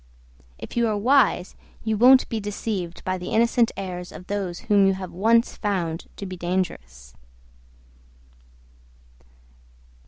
If you are wise you won't be deceived by the innocent airs of those whom you have once found to be dangerous.